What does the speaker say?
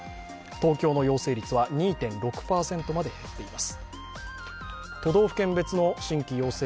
東京の陽性率は２．６％まで減っています。